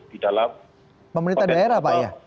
di dalam pemerintah daerah pak ya